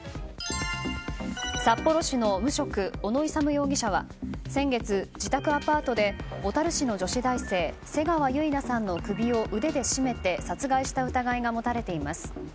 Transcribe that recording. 札幌市の無職、小野勇容疑者は先月、自宅アパートで小樽市の女子大生瀬川結菜さんの首を腕で絞めて殺害した疑いが持たれています。